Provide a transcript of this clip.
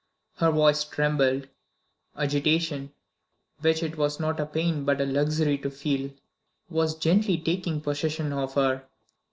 Her voice trembled. Agitation, which it was not a pain but a luxury to feel, was gently taking possession of her.